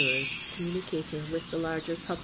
'wrr4 counnunicating with the larger p«jl